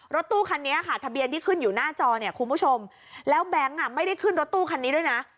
รถตู้คันนี้ค่ะทะเบียนที่ขึ้นอยู่หน้าจอเนี่ยคุณผู้ชมแล้วแบงค์ไม่ได้ขึ้นรถตู้คันนี้ด้วยนะ